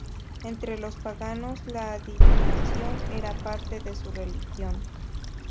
Entre los paganos la adivinación era parte de su religión.